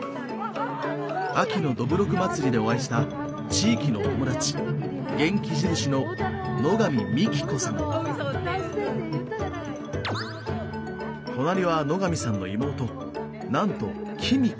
秋のどぶろく祭りでお会いした地域のお友達元気印の隣は野上さんの妹なんと公子さん。